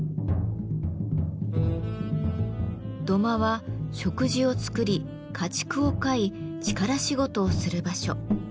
土間は食事を作り家畜を飼い力仕事をする場所。